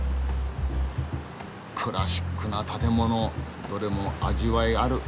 クラシックな建物どれも味わいある。